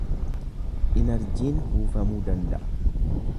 Inarjiin kuufamuu danda’a.